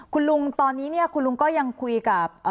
คุณลุงตอนนี้เนี่ยคุณลุงก็ยังคุยกับ